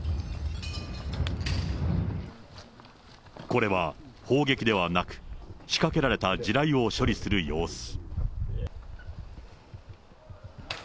これは、砲撃ではなく、仕掛けられた地雷を処理する様子。